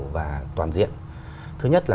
và toàn diện thứ nhất là